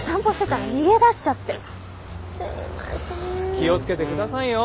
気を付けてくださいよ。